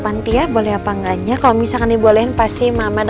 nanti aku mau tanya sama ibu